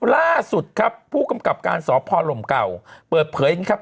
ล่าสุดครับผู้กำกับการสพลมเก่าเปิดเผยนะครับ